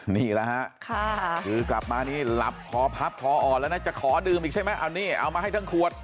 นี่แหละฮะคือกลับมานี่หลับคอพับคออ่อนแล้วนะจะขอดื่มอีกใช่ไหมเอานี่เอามาให้ทั้งขวด